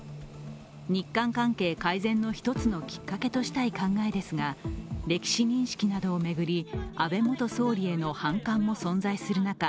日韓関係改善の一つのきっかけとしたい考えですが歴史認識などを巡り、安倍元総理への反感も存在する中